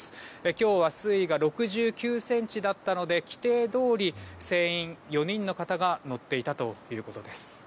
今日は水位が６９ｃｍだったので規定どおり船員４人の方が乗っていたということです。